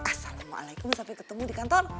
assalamualaikum sampai ketemu di kantor